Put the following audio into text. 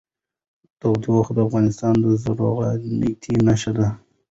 تودوخه د افغانستان د زرغونتیا نښه ده.